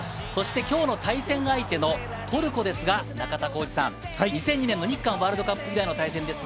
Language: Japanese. きょうの対戦相手のトルコですが、中田浩二さん、２００２年、日韓ワールドカップ以来の対戦です。